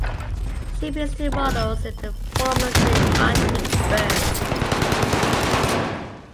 She appears to mortals in the form of a gray Arctic bird.